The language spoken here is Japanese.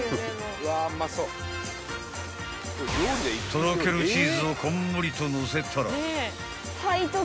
［とろけるチーズをこんもりとのせたら］